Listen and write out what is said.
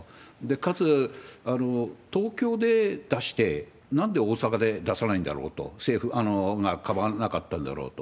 かつ、東京で出して、なんで大阪で出さないんだろうと、政府はカバーなかったんだろうと。